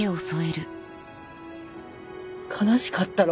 悲しかったろ？